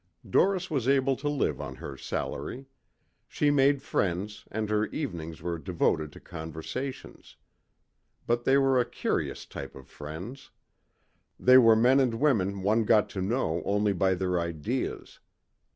Doris was able to live on her salary. She made friends and her evenings were devoted to conversations. But they were a curious type of friends. They were men and women one got to know only by their ideas.